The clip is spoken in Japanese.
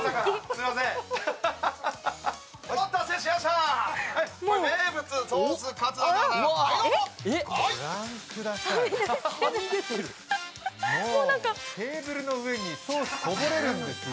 ご覧ください、テーブルの上にソースこぼれるんですよ。